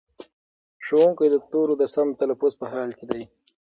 ښوونکی د تورو د سم تلفظ په حال کې دی.